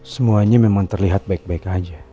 semuanya memang terlihat baik baik aja